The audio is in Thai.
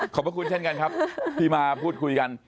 ขอบคุณเช่นกันครับที่มาพูดคุยกัน